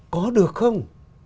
có được không